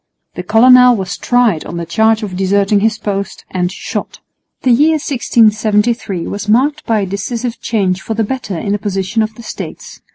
The colonel was tried on the charge of deserting his post, and shot. The year 1673 was marked by a decisive change for the better in the position of the States.